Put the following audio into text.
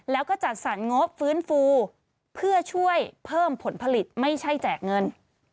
แล้วก็จัดสรรงบฟื้นฟูเพื่อช่วยเพิ่มผลผลิตไม่ใช่แจกเงิน